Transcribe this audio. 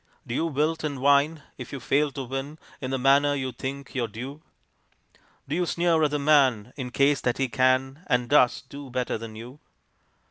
Do you wilt and whine, if you fail to win In the manner you think your due? Do you sneer at the man in case that he can And does, do better than you?